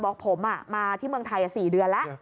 บอกผมมาที่เมืองไทย๔เดือนแล้ว